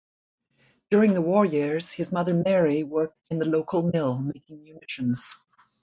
During the war years his mother Mary worked in the local mill making munitions.